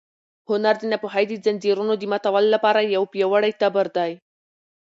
هنر د ناپوهۍ د ځنځیرونو د ماتولو لپاره یو پیاوړی تبر دی.